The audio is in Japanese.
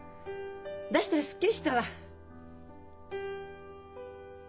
出したらすっきりしたわ！